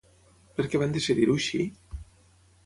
Per què van decidir-ho així?